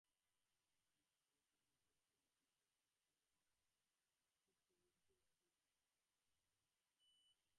বিহারীর সেই দুঃখের পরিমাণ কল্পনা করিয়া অন্নপূর্ণার বক্ষ ব্যথিত হইতে লাগিল।